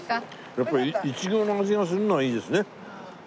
やっぱりいちごの味がするのがいいですね。